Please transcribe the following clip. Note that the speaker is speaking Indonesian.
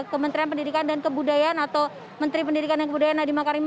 kementerian pendidikan dan kebudayaan atau menteri pendidikan dan kebudayaan nadiem makarim